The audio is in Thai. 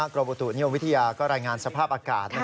กรมอุตุนิยมวิทยาก็รายงานสภาพอากาศ